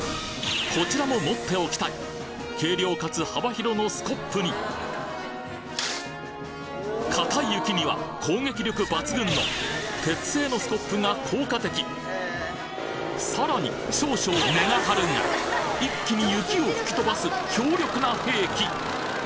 こちらも持っておきたい軽量かつ幅広のスコップにかたい雪には攻撃力抜群の鉄製のスコップが効果的さらに少々値が張るが一気に雪を吹き飛ばす強力な兵器！